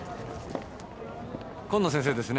紺野先生ですね。